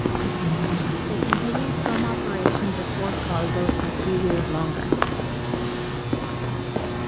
They continued some operations at Fort Colvile for a few years longer.